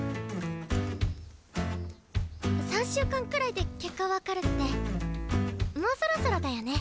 ３週間くらいで結果分かるってもうそろそろだよね？